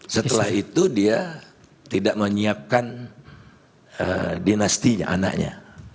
setelah itu dia tidak menyiapkan dinastinya anaknya